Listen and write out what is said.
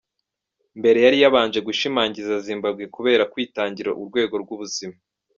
Mbere yari yabanje gushimagiza Zimbabwe kubera kwitangira urwego rw'ubuzima.